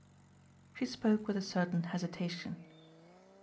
She spoke with a certain hesitation.